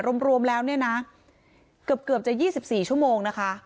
รวมรวมแล้วเนี่ยนะเกือบเกือบจะยี่สิบสี่ชั่วโมงนะคะ